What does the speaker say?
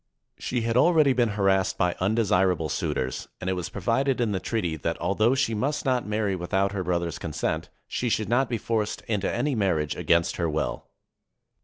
She had already been harassed by undesirable suitors, and it was provided in the treaty that, although she must not marry without her brother's consent, she should not be forced into any marriage against her will.